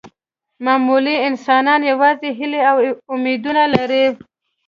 معمولي انسانان یوازې هیلې او امیدونه لري.